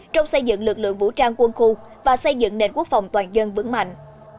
trong xây dựng lực lượng vũ trang quân khu và xây dựng nền quốc phòng toàn dân vững mạnh